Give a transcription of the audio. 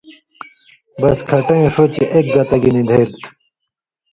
بس کھٹَیں ݜُو چے اک گتہ گی نی دھری تُھو۔